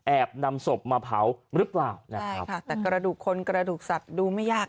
นำศพมาเผาหรือเปล่านะครับค่ะแต่กระดูกคนกระดูกสัตว์ดูไม่ยาก